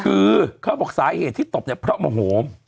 คือเขาบอกสาเหตุที่ตบเนี่ยเพราะโมโห